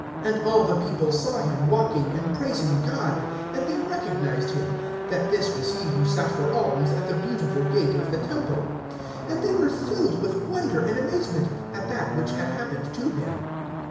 (9)And all the people saw him walking and praising God; (10)and they recognized him, that this was he who sat for alms at the beautiful gate of the temple; and they were filled with wonder and amazement at that which had happened to him.